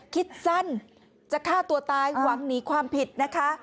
คิดสั้นจะฆ่าตัวตายหวังหนีความผิดนะคะ